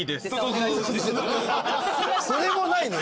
それもないの？